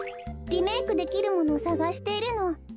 リメークできるものをさがしているの。